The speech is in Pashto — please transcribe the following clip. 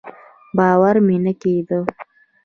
باور مې نه کېده.